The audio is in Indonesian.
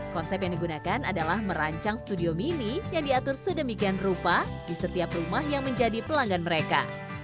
konsep yang digunakan adalah merancang studio mini yang diatur sedemikian rupa di setiap rumah yang menjadi pelanggan mereka